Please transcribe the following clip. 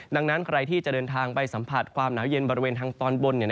ดังนั้นใครที่จะเดินทางไปสัมผัสความหนาวเย็นบริเวณทางตอนบน